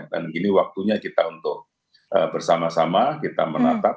dan ini waktunya kita untuk bersama sama kita menatap